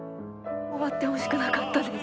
終わってほしくなかったです